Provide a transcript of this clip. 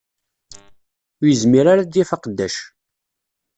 Ur yezmir ara ad d-yaff aqeddac